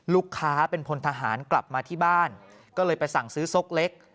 ลูกค้าเป็นพลทหารกลับมาที่บ้านก็เลยไปสั่งซื้อซกเล็ก